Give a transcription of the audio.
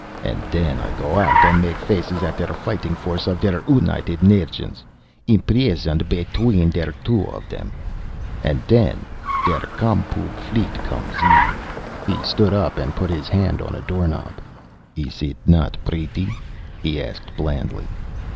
And then I go out and make faces at der Fighting Force of der United Nations imprisoned between der two of them and then der Com Pub fleet comes ofer!" He stood up and put his hand on a door knob. "Is it not pretty?" he asked blandly.